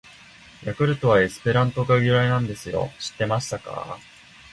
「ヤクルト」はエスペラント語が由来なんですよ！知ってましたか！！